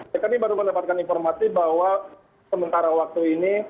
ya kami baru mendapatkan informasi bahwa sementara waktu ini